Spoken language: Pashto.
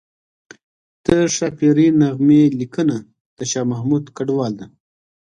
د ښاپیرۍ نغمې لیکنه د شاه محمود کډوال ده